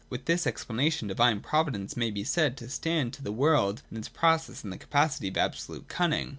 With this explanation, Divine Provi dence may be said to stand to the world and its process in the capacity of absolute cunning.